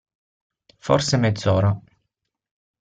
Forse mezz'ora.